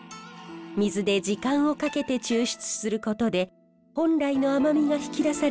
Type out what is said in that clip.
水で時間をかけて抽出することで本来の甘みが引き出されるといいます。